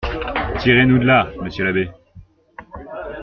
Tirez-nous de là, monsieur l'abbé?